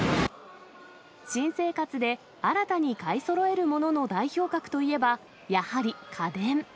新生活で新たに買いそろえるものの代表格といえばやはり家電。